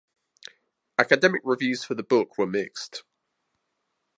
Academic reviews for the book were mixed.